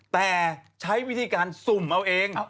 แต่ใช้วิธีการสุ่มเอาเอง